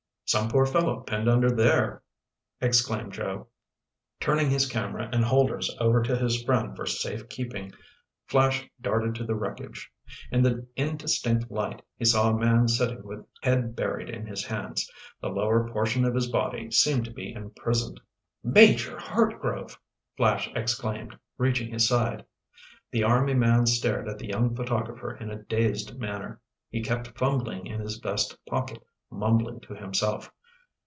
"Some poor fellow pinned under there!" exclaimed Joe. Turning his camera and holders over to his friend for safe keeping, Flash darted to the wreckage. In the indistinct light he saw a man sitting with head buried in his hands. The lower portion of his body seemed to be imprisoned. "Major Hartgrove!" Flash exclaimed, reaching his side. The army man stared at the young photographer in a dazed manner. He kept fumbling in his vest pocket, mumbling to himself.